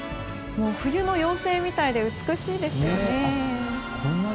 冬の妖精みたいで美しいですよね。